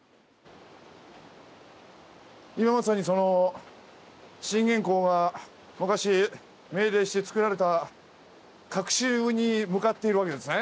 今まさにその信玄公が昔命令してつくられた隠し湯に向かっているわけですね。